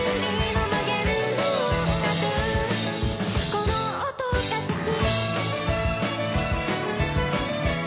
「この音が好き」